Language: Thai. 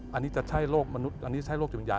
อันนี้จะใช่โรคมนุษย์อันนี้จะใช่โรคจุดยาน